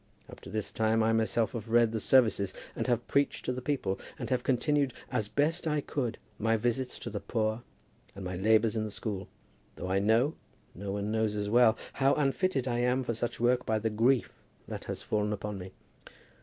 Up to this time I myself have read the services, and have preached to the people, and have continued, as best I could, my visits to the poor and my labours in the school, though I know, no one knows as well, how unfitted I am for such work by the grief which has fallen upon me.